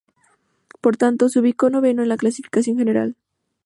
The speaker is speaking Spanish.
Por tanto, se ubicó noveno en la clasificación general.